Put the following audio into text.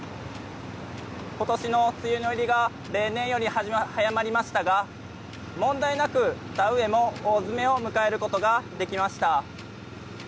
ことしの梅雨入りが例年より早まりましたが問題なく田植えも大詰めを迎えることができました。